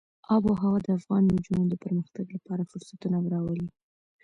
آب وهوا د افغان نجونو د پرمختګ لپاره فرصتونه راولي.